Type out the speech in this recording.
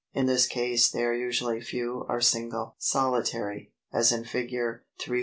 In this case they are usually few or single (solitary, as in Fig. 341 343).